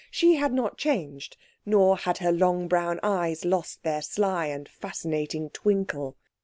She had not changed, nor had her long brown eyes lost their sly and fascinating twinkle.